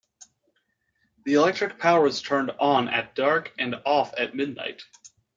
The electric power was turned on at dark and off at midnight.